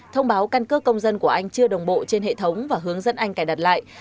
thông báo căn cơ công dân của anh chưa đồng bộ trên hệ thống và hướng dẫn anh cài đặt lại